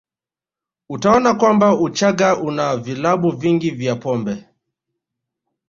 Utaona kwamba Uchaga una vilabu vingi vya pombe